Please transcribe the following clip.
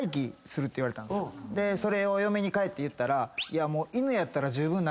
それを嫁に帰って言ったら「いやもう」